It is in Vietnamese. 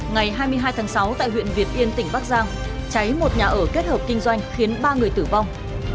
ngày hai mươi hai tháng sáu tại huyện việt yên tỉnh bắc giang cháy một nhà ở kết hợp kinh doanh khiến ba người tử vong